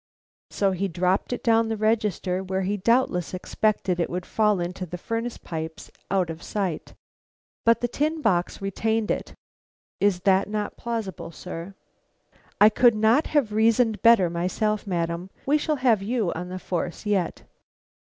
So he dropped it down the register, where he doubtless expected it would fall into the furnace pipes out of sight. But the tin box retained it. Is not that plausible, sir?" "I could not have reasoned better myself, madam. We shall have you on the force, yet."